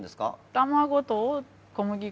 卵と小麦粉。